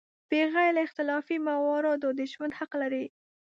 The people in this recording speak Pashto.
بغیر له اختلافي مواردو د ژوند حق لري.